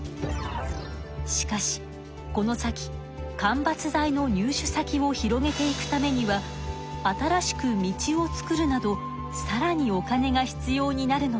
しかしこの先間伐材の入手先を広げていくためには新しく道を作るなどさらにお金が必要になるのです。